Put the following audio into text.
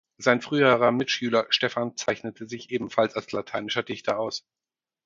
Sein früherer Mitschüler Stephan zeichnete sich ebenfalls als lateinischer Dichter aus.